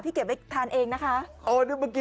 เก็บไว้ทานเองนะคะ